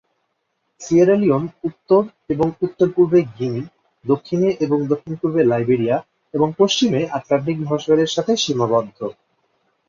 Sierra Leone উত্তর এবং উত্তর-পূর্বে গিনি, দক্ষিণে এবং দক্ষিণ-পূর্বে লাইবেরিয়া এবং পশ্চিমে আটলান্টিক মহাসাগরের সাথে সীমাবদ্ধ।